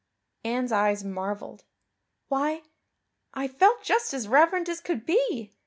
Anne's eyes marveled. "Why, I felt just as reverent as could be.